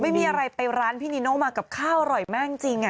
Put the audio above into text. ไม่มีอะไรไปร้านพี่นีโน่มากับข้าวอร่อยมากจริง